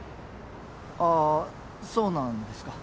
あそうなんですか。